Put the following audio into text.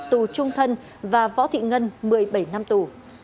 tù trung thân và võ thị ngân một mươi bảy năm tù